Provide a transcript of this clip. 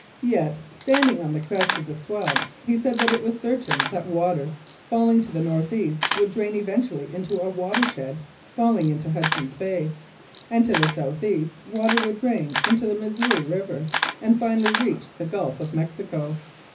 Yet, standing on the crest of the swell, he said that it was certain that water falling to the north east would drain eventually into a water shed falling into Hudson Bay; and to the south east water would drain into the Missouri River and finally reach the Gulf of Mexico.